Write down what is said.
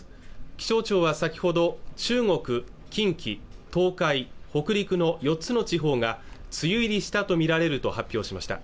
気象庁は先ほど中国近畿東海北陸の４つの地方が梅雨入りしたとみられると発表しました